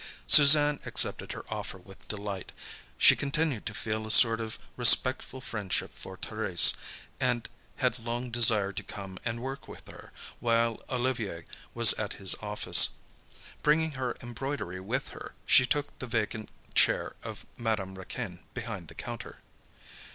Suzanne accepted her offer with delight; she continued to feel a sort of respectful friendship for Thérèse, and had long desired to come and work with her, while Olivier was at his office. Bringing her embroidery with her, she took the vacant chair of Madame Raquin behind the counter.